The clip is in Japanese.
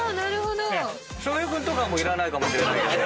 ⁉翔平君とかはいらないかもしれないけど。